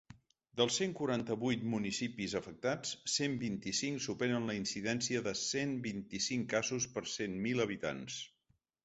Dels cent quaranta-vuit municipis afectats, cent vint-i-cinc superen la incidència de cent vint-i-cinc casos per cent mil habitants.